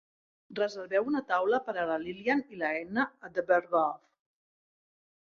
reserveu una taula per a la Lillian i l'Edna a The Berghoff